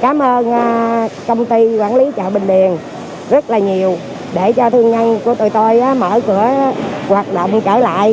cảm ơn công ty quản lý chợ bình điền rất là nhiều để cho thương nhân của tụi tôi mở cửa hoạt động trở lại